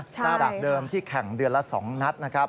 จากเดิมที่แข่งเดือนละ๒นัดนะครับ